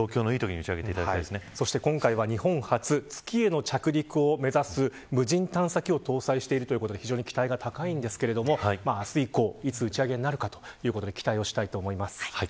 今回は日本初月への着陸を目指す無人探査機を搭載しているということで非常に期待が高いですが明日以降いつ打ち上げになるか期待したいと思います。